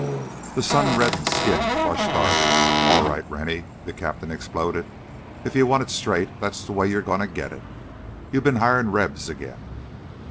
The sun reddened skin flushed darker. "All right, Rennie!" the captain exploded. "If you want it straight, that's the way you're going to get it! You've been hiring Rebs again!"